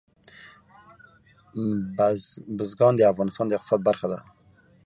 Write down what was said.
بزګان د افغانستان د اقتصاد برخه ده.